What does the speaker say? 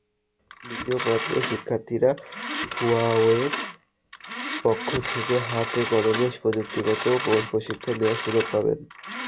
দ্বিতীয় পর্বে শিক্ষার্থীরা হুয়াওয়ের পক্ষ থেকে হাতে-কলমে প্রযুক্তিগত প্রশিক্ষণ নেওয়ার সুযোগ পাবেন।